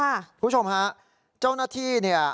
คุณผู้ชมฮะเจ้าหน้าที่เนี่ย